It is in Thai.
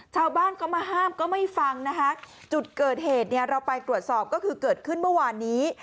ชาวบ้านเขามาห้ามก็ไม่ฟังนะคะจุดเกิดเหตุเนี่ยเราไปตรวจสอบก็คือเกิดขึ้นเมื่อวานนี้